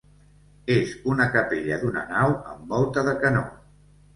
És una capella d'una nau amb volta de canó.